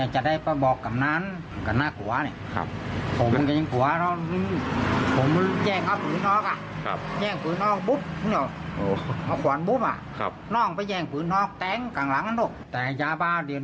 ใช่ครับ